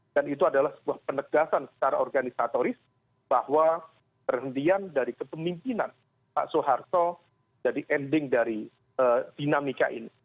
dan itu adalah sebuah penegasan secara organisatoris bahwa perhentian dari kepemimpinan pak suarso jadi ending dari dinamika ini